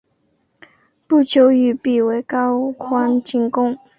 不久玉壁为高欢进攻。